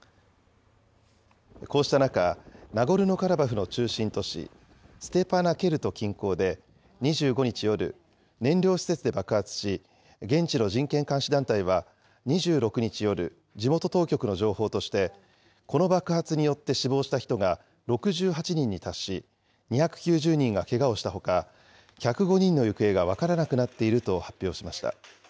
こうした中、ナゴルノカラバフの中心都市ステパナケルト近郊で２５日夜、燃料施設で爆発し、現地の人権監視団体は２６日夜、地元当局の情報として、この爆発によって死亡した人が６８人に達し、２９０人がけがをしたほか、１０５人の行方が分からなくなっていると発表しました。